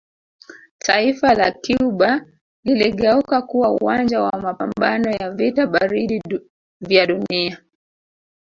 Taifa la Cuba liligeuka kuwa uwanja wa mapamabano ya vita baridi vya dunia